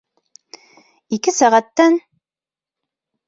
Ике сәғәттән...